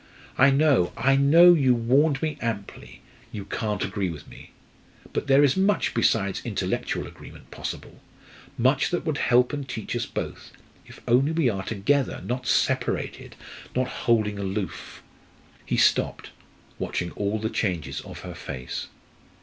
I know I know you warned me amply you can't agree with me. But there is much besides intellectual agreement possible much that would help and teach us both if only we are together not separated not holding aloof " He stopped, watching all the changes of her face.